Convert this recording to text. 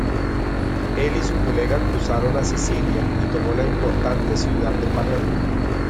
Él y su colega cruzaron a Sicilia, y tomó la importante ciudad de Palermo.